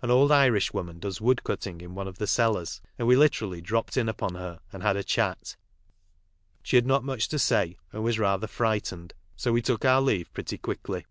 An old Irishwoman does woodcutting in one of the cellars, and we literally " dropped in " upon her, and had a chat. She had not much to say, and was rather frightened, so we took our leave pretty quickly.